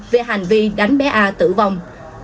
về hành vi đánh bé a tử vong